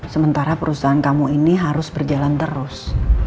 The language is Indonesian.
sementara perusahaan kamu ini harus berjalan terus